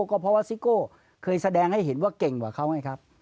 ก็เพราะว่าซิโก้เคยแสดงให้เห็นว่าเก่งกว่าเขาไงครับ